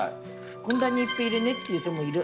こんなにいっぺぇ入れねえっていう人もいる。